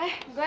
eh gue apa